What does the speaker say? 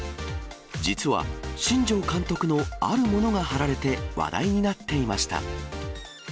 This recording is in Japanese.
実は、新庄監督のあるものが貼られて、話題になっていました。